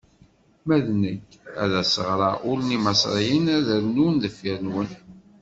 Ma d nekk, ad sseɣreɣ ul n Imaṣriyen, ad d-rnun deffir-nwen.